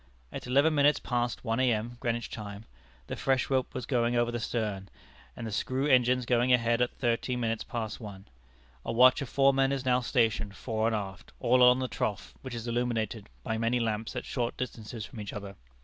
At eleven minutes past one A.M. (Greenwich time), the fresh rope was going over the stern, and the screw engines going ahead at thirteen minutes past one. A watch of four men is now stationed, fore and aft, all along the trough, which is illuminated by many lamps at short distances from each other.